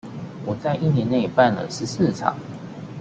我在一年內辦了十四場